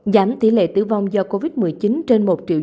giảm tỷ lệ tử vong do covid một mươi chín trên một triệu